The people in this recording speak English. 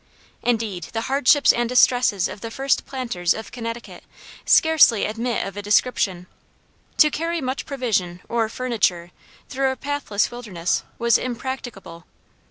Indeed the hardships and distresses of the first planters of Connecticut scarcely admit of a description. To carry much provision or furniture through a pathless wilderness was impracticable.